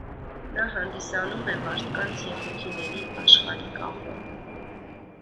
Նա հանդիսանում է մարդկանց և հոգիների աշխարհի կապը։